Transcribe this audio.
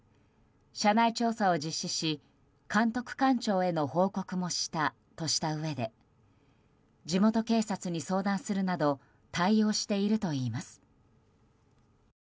社内調査を実施し監督官庁への報告もしたとしたうえで地元警察に相談するなど対応しているといいます。